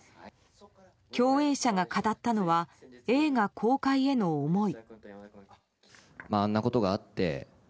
共演者が語ったのは映画公開への思い。